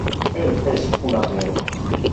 Él es un ateo.